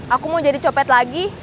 aku mau jadi copet lagi